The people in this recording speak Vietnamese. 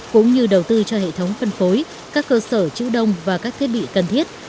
cũng như đầu tư cho hệ thống phân phối các cơ sở chữ đông và các thiết bị cần thiết